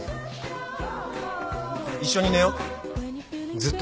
一緒に寝よっ。